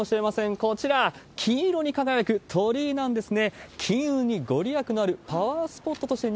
こちら、金色に輝く鳥居なんですね。